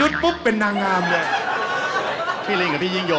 ตัวนี้เลยไฮไลท์เลย